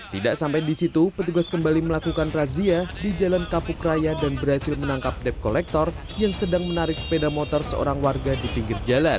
tidak sampai di situ petugas kembali melakukan razia di jalan kapuk raya dan berhasil menangkap dep kolektor yang sedang menarik sepeda motor seorang warga di pinggir jalan